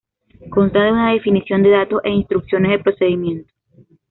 Constan de una definición de datos, e instrucciones de procedimiento.